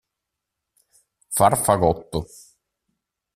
Far fagotto.